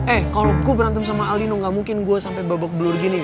eh kalo gue berantem sama aldino gak mungkin gue sampe babak belur gini